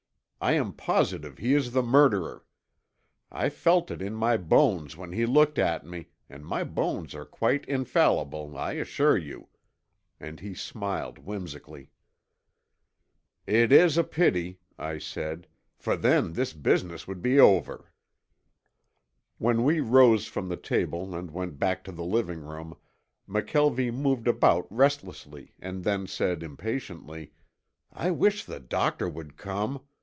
I am positive he is the murderer. I felt it in my bones when he looked at me and my bones are quite infallible, I assure you," and he smiled whimsically. "It is a pity," I said, "for then this business would be over." When we rose from the table and went back to the living room, McKelvie moved about restlessly, and then said impatiently, "I wish the doctor would come.